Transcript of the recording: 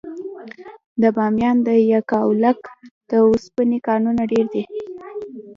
د بامیان د یکاولنګ د اوسپنې کانونه ډیر دي.